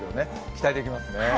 期待できますね。